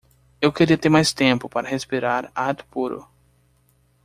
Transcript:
eu queria ter mais tempo para respirar ar puro